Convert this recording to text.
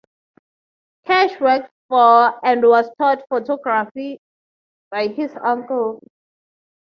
Karsh worked for and was taught photography by his uncle.